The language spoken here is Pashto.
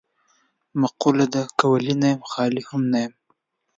مقوله ده: که ولي نه یم خالي هم نه یم.